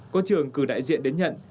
có trường cử đại diện đến nhận